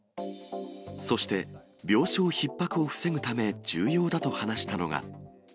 そして、病床ひっ迫を防ぐため、重要だと話したのが。